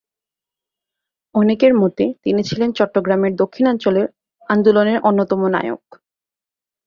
অনেকের মতে তিনি ছিলেন চট্টগ্রামের দক্ষিণাঞ্চলের আন্দোলনের অন্যতম নায়ক।